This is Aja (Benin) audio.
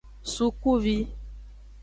Sukuvi.